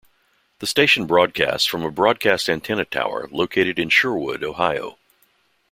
The station broadcasts from a broadcast antenna tower located in Sherwood, Ohio.